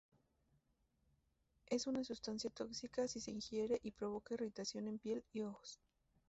Es una sustancia tóxica si se ingiere y provoca irritación en piel y ojos.